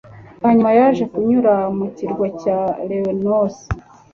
Hanyuma yaje kunyura ku kirwa cya Lemnos